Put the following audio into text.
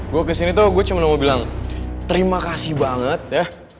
gue kesini tuh gue cuma mau bilang terima kasih banget ya